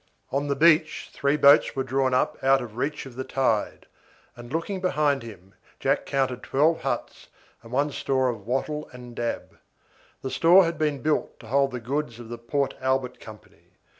On the beach three boats were drawn up out of reach of the tide, and looking behind him Jack counted twelve huts and one store of wattle and dab. The store had been built to hold the goods of the Port Albert Company.